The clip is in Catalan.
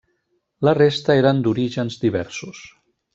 La resta eren d'orígens diversos.